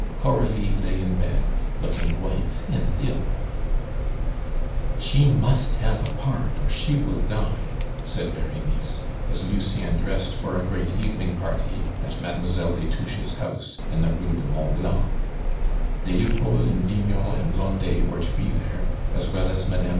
Coralie lay in bed, looking white and ill. "She must have a part, or she will die," said Berenice, as Lucien dressed for a great evening party at Mlle. des Touches' house in the Rue du Mont Blanc. Des Lupeaulx and Vignon and Blondet were to be there, as well as Mme.